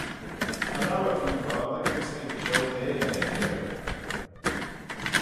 Cha row eh feer foddey gys haink shiolteyr er-gerrey.